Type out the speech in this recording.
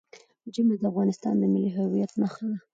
ژمی د افغانستان د ملي هویت نښه ده.